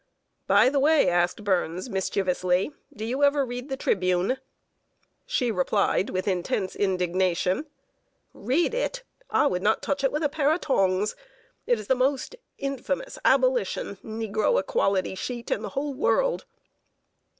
"By the way," asked Burns, mischievously, "do you ever read The Tribune?" She replied, with intense indignation: "Read it! I would not touch it with a pair of tongs! It is the most infamous Abolition, negro equality sheet in the whole world!"